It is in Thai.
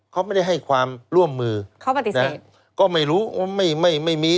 เขาไม่ได้ให้ความร่วมมือเขาปฏิเสธก็ไม่รู้ว่าไม่ไม่ไม่มี